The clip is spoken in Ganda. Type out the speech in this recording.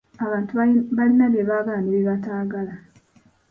Abantu balina bye baagala ne bye bataagala.